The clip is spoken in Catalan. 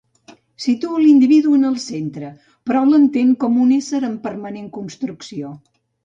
Situa a l'individu en el centre, però l'entén com un ésser en permanent construcció.